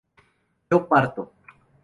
yo parto